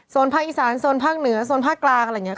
ส่วนภาคอีสานโซนภาคเหนือโซนภาคกลางอะไรอย่างนี้